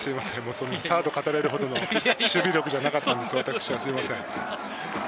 サードを語れるほどの守備力じゃなかったんですけど、すみません。